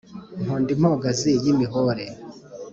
Nkunda impogazi y'imihore,